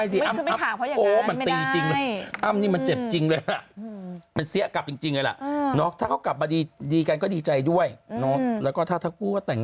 สมมุติฉันเจอหน้าอิอิอั๊บอะไรเกิดขึ้นมันจะได้ด่าวให้สิ